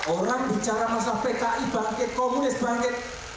orang bicara masalah pki bangkit komunis bangkit